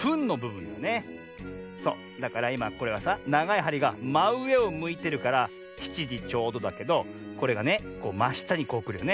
そうだからいまこれはさながいはりがまうえをむいてるから７じちょうどだけどこれがねましたにこうくるよね。